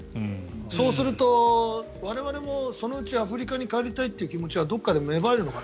そうすると我々もそのうちアフリカに帰りたいという気持ちがどこかで芽生えるのかな。